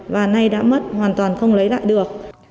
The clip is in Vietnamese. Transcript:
và nay đã mất hoàn toàn không lấy lại được